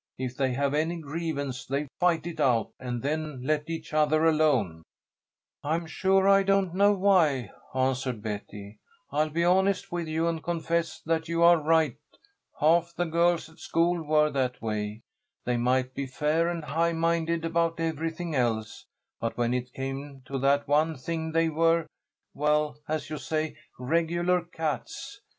If they have any grievance they fight it out and then let each other alone." "I'm sure I don't know why," answered Betty. "I'll be honest with you and confess that you are right. Half the girls at school were that way. They might be fair and high minded about everything else, but when it came to that one thing they were well, as you say, regular cats.